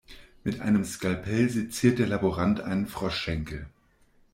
Mit einem Skalpell seziert der Laborant einen Froschschenkel.